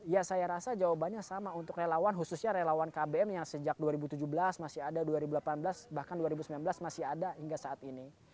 ya saya rasa jawabannya sama untuk relawan khususnya relawan kbm yang sejak dua ribu tujuh belas masih ada dua ribu delapan belas bahkan dua ribu sembilan belas masih ada hingga saat ini